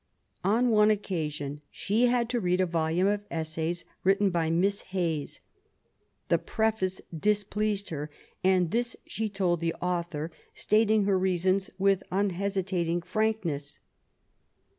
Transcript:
On one occasion she had to read a volume of Essays written by Miss Hayes. The preface displeased her, and this she told the author, stating her reasons with unhesitating frank ness.